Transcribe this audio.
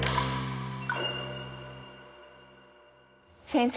先生